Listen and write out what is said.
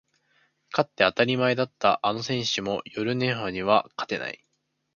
勝って当たり前だったあの選手も寄る年波には勝てない